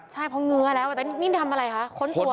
ใช่เพราะเงื้อแล้วแต่นี่ทำอะไรคะค้นตัว